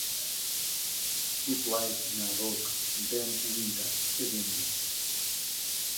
He played in a rock band in the evenings.